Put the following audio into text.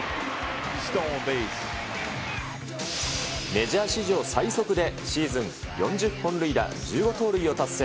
メジャー史上最速で、シーズン４０本塁打、１５盗塁を達成。